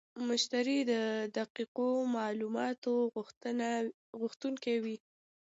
مشتری د دقیقو معلوماتو غوښتونکی وي.